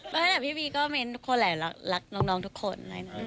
ไม่พี่บีก็เห็นคนหลายลักลงทุกคน